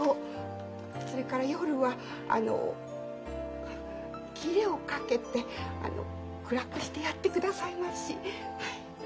それから夜はきれを掛けてあの暗くしてやってくださいまし。